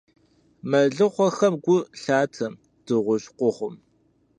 Мэлыхъуэхэм гу лъатэ дыгъужь къугъым.